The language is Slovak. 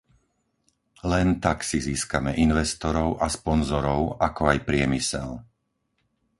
Len tak si získame investorov a sponzorov, ako aj priemysel.